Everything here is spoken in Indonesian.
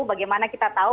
bagaimana kita tahu